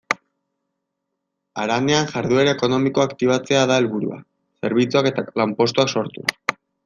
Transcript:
Haranean jarduera ekonomikoa aktibatzea da helburua, zerbitzuak eta lanpostuak sortuz.